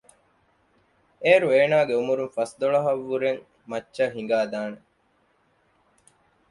އޭރު އޭނާގެ ޢުމުރުން ފަސްދޮޅަހަށް ވުރެން މައްޗަށް ހިނގައި ދާނެ